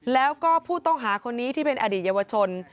แล้วก็ผู้ต้องหาคนนี้ที่เป็นอดีตเยาวชน